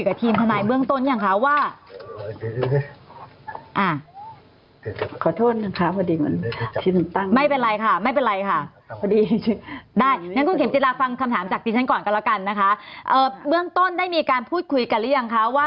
กับทีมทนายเบื้องต้นยังคะว่า